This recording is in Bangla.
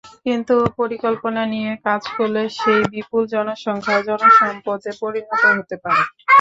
কিন্তু পরিকল্পনা নিয়ে কাজ করলে সেই বিপুল জনসংখ্যাও জনসম্পদে পরিণত হতে পারে।